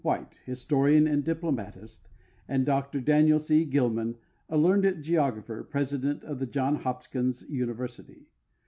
White, historian and diplomatist, and Dr Daniel C. Gilman, a learned geographer, president of the Johns Hopkins University.